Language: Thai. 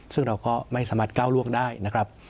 ซึ่งเราก็ไม่สามารถก้าวล่วงได้นะครับ